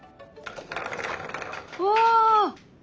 うわ。